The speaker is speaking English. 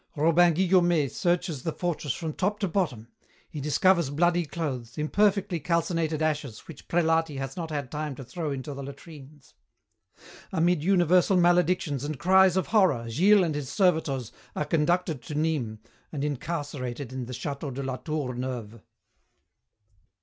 Robin Guillaumet searches the fortress from top to bottom. He discovers bloody clothes, imperfectly calcinated ashes which Prelati has not had time to throw into the latrines. Amid universal maledictions and cries of horror Gilles and his servitors are conducted to Nîmes and incarcerated in the château de la Tour Neuve.